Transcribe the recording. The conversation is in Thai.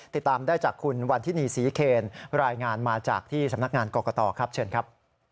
ติดตามได้จากคุณวันทินีศรีเคนรายงานมาจากที่สำนักงานกรกตครับเชิญครับ